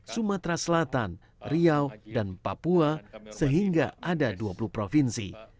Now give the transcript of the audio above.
sumatera selatan riau dan papua sehingga ada dua puluh provinsi